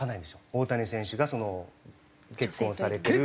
大谷選手が結婚されてる。